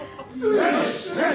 よし！